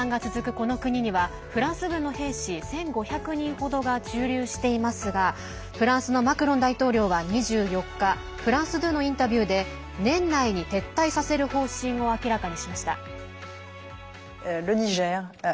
この国にはフランス軍の兵士１５００人程が駐留していますがフランスのマクロン大統領は２４日フランス２のインタビューで年内に撤退させる方針を明らかにしました。